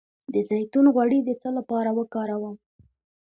د زیتون غوړي د څه لپاره وکاروم؟